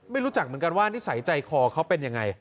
รู้จักเหมือนกันว่านิสัยใจคอเขาเป็นยังไง